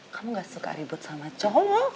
kamu gak suka ribut sama cowok